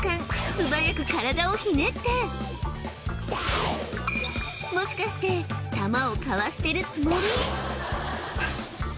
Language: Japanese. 素早く体をひねってもしかして弾をかわしてるつもり？